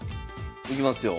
いきますよ。